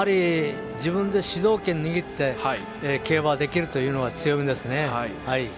自分で主導権を握って競馬をできるのが強みですね。